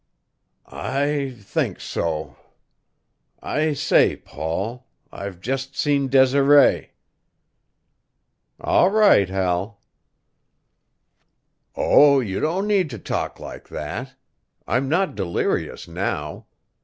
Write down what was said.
"I think so. I say, Paul I've just seen Desiree." "All right, Hal." "Oh, you don't need to talk like that; I'm not delirious now.